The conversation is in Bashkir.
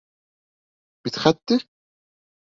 Мидхәтте?!